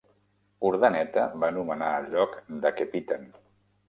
Urdaneta va nomenar el lloc Daquepitan.